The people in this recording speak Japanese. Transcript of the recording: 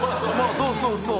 そうそうそう。